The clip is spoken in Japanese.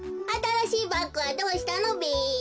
あたらしいバッグはどうしたのべ？